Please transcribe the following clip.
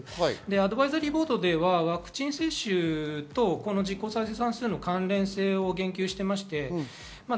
アドバイザリーボードではワクチン接種と実効再生産数の関連性を言及しています。